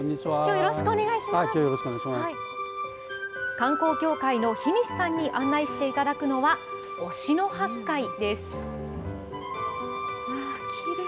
観光協会の日西さんに案内していただくのは、忍野八海です。